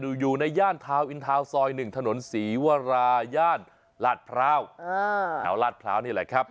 ผมอยู่ในย่านทาวอินทาวหนึ่งทะหนมศรีวราช